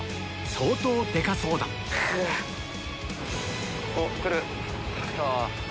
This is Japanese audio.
相当でかそうだ来る？来た？